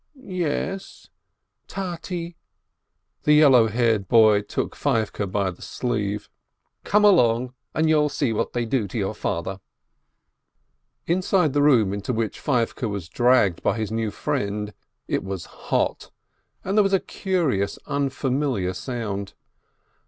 "Y yes ... T tate ..." The yellow haired boy took Feivke by the sleeve. "Come along, and you'll see what they'll do to your father." 552 BERKOWITZ Inside the room into which Feivke was dragged by his new friend, it was hot, and there was a curious, un familiar sound.